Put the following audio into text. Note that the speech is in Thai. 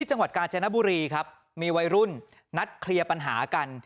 จังหวัดกาญจนบุรีครับมีวัยรุ่นนัดเคลียร์ปัญหากัน